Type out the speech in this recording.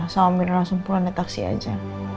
sama minta langsung pulang naik taksi aja